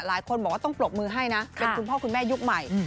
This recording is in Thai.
หลายคนบอกว่าต้องปรบมือให้นะเป็นคุณพ่อคุณแม่ยุคใหม่